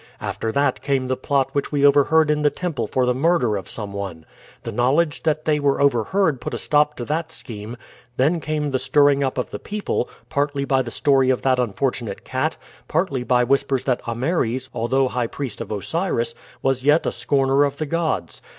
After that came the plot which we overheard in the temple for the murder of some one. The knowledge that they were overheard put a stop to that scheme. Then came the stirring up of the people, partly by the story of that unfortunate cat, partly by whispers that Ameres, although high priest of Osiris, was yet a scorner of the gods.